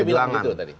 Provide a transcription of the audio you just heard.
sufie bilang begitu tadi